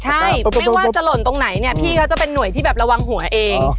ใช่ไม่ว่าจะหล่นตรงไหนเนี่ยพี่เขาจะเป็นห่วยที่แบบระวังหัวเอง